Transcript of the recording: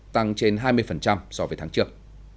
tăng trên hai mươi so với tháng trước